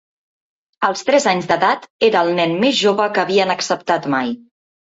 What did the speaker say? Als tres anys d'edat, era el nen més jove que havien acceptat mai.